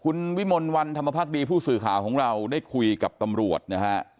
คุณวิมลวันธรรมภักดีผู้สื่อข่าวของเราได้คุยกับตำรวจนะฮะ